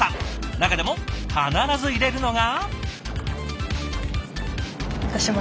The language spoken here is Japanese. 中でも必ず入れるのが。